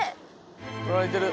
取られてる。